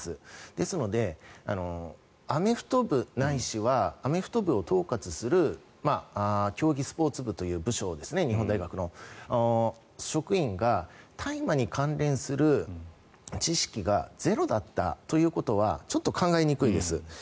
ですので、アメフト部ないしはアメフト部を統括する競技スポーツ部という部署ですね日本大学の職員が大麻に関連する知識がゼロだったということはちょっと考えにくいです。